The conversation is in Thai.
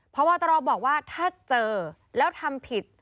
เพราะวาตรอบอกว่าถ้าเจอแล้วทำผิด